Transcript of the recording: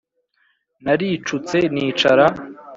Naricutse nicara